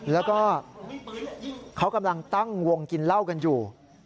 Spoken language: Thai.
แล้วก็เขากำลังตั้งวงกินเหล้ากันอยู่